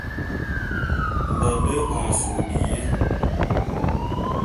Nane a sob biyé.